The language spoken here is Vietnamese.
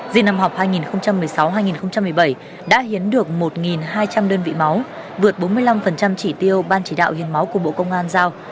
diên năm học hai nghìn một mươi sáu hai nghìn một mươi bảy đã hiến được một hai trăm linh đơn vị máu vượt bốn mươi năm chỉ tiêu ban chỉ đạo hiến máu của bộ công an giao